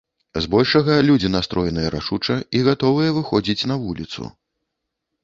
Збольшага людзі настроеныя рашуча і гатовыя выходзіць на вуліцу.